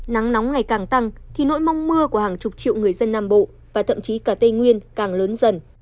nắng nóng ngày càng tăng thì nỗi mong mưa của hàng chục triệu người dân nam bộ và thậm chí cả tây nguyên càng lớn dần